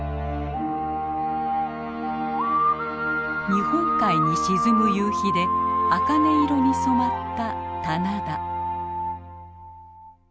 日本海に沈む夕日であかね色に染まった棚田。